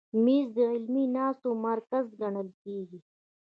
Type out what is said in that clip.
مېز د علمي ناستو مرکز ګڼل کېږي.